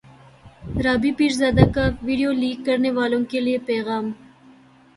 رابی پیرزادہ کا video leak کرنیوالوں کے لیے پیغام